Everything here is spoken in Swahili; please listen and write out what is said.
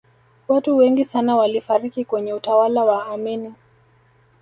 watu wengi sana walifariki kwenye utawala wa amini